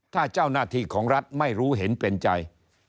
ถ้าเจ้าหน้าที่ของรัฐไม่รู้เห็นเป็นใจ